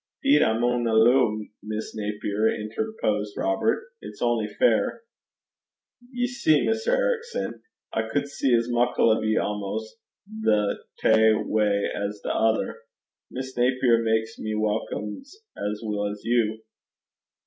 ''Deed I maun alloo, Miss Naper,' interposed Robert, 'it's only fair. Ye see, Mr. Ericson, I cud see as muckle o' ye almost, the tae way as the tither. Miss Naper maks me welcome as weel's you.'